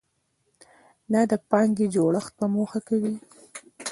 دا د پانګې جوړښت په موخه کوي.